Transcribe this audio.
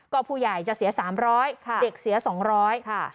ก็ผู้ใหญ่จะเสีย๓๐๐เด็กเสีย๒๐๐ค่ะ